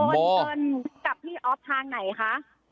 เงินกับพี่อ๊อฟทางไหนคะ